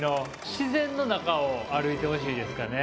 自然の中を歩いてほしいですかね。